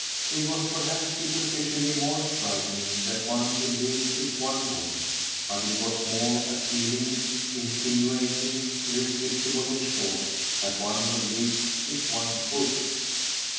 It was perhaps superficially more striking that one could live if one would; but it was more appealing, insinuating, irresistible in short, that one would live if one could.